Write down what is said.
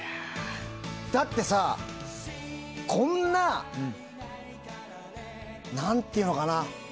だってさ、こんな何ていうのかな。